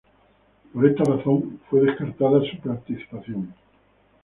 Por esta razón fue descartada su participación.